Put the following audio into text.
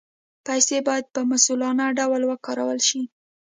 پیسې باید په مسؤلانه ډول وکارول شي.